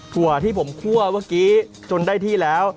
ถั่วที่ผมคั่วเมื่อกี้จนได้ที่แล้ว